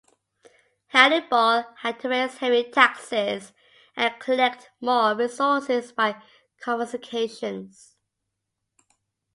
Hannibal had to raise heavy taxes and collect more resources by confiscations.